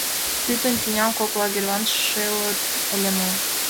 Пӱтынь тӱням кок лагерьлан шелыт ыле мо?